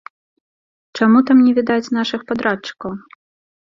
Чаму там не відаць нашых падрадчыкаў?